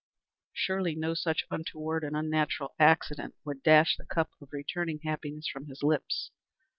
Surely, no such untoward and unnatural accident would dash the cup of returning happiness from his lips.